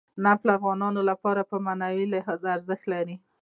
نفت د افغانانو لپاره په معنوي لحاظ ارزښت لري.